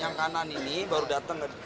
yang kanan ini baru datang